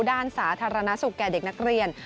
สาธารณสุขแก่เด็กนักเรียน